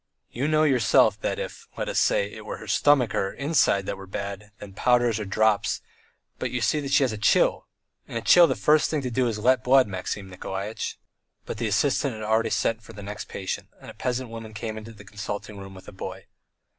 "You know yourself that if, let us say, it were her stomach or her inside that were bad, then powders or drops, but you see she had got a chill! In a chill the first thing is to let blood, Maxim Nikolaitch." But the assistant had already sent for the next patient, and a peasant woman came into the consulting room with a boy.